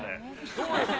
そうですね。